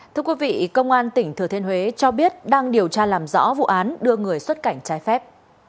thưa quý vị công an tỉnh thừa thiên huế cho biết đang điều tra làm rõ vụ án đưa người xuất cảnh trái phép